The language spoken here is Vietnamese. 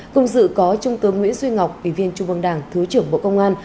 cùng sự có trung tướng nguyễn duy ngọc ủy viên trung bộng đảng thứ trưởng bộ công an